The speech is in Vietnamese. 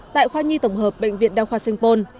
tại khoa nhi tổng hợp bệnh viện đăng khoa sinh pôn